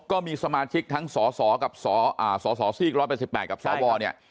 ก็มีสมาชิกทั้งสสกับสสสรรป๑๘กับสว